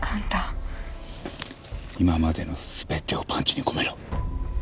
今までの全てをパンチに込めろ。